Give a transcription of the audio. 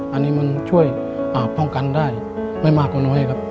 อันนี้มันช่วยป้องกันได้ไม่มากกว่าน้อยครับ